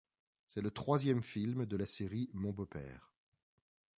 C'est le troisième film de la série Mon beau-père.